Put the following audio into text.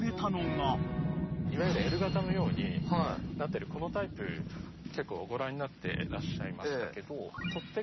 いわゆるＬ型のようになってるこのタイプ結構ご覧になってらっしゃいましたけど。